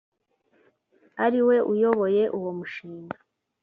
ariwe uyoboye uwo mushinga